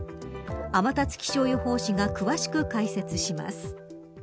天達気象予報士が詳しく解説します。